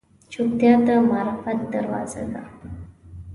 چوپتیا، د معرفت دروازه ده.